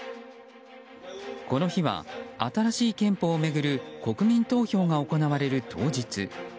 この日は新しい憲法を巡る国民投票が行われる当日。